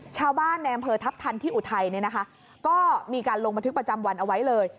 ชาวบ้านในอำเภอทัพทันที่อุทัยเนี่ยนะคะก็มีการลงบันทึกประจำวันเอาไว้เลย